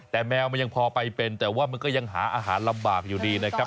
แต่แมวมันยังพอไปเป็นแต่ว่ามันก็ยังหาอาหารลำบากอยู่ดีนะครับ